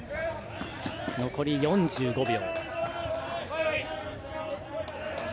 残り４５秒。